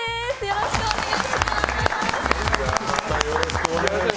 よろしくお願いします。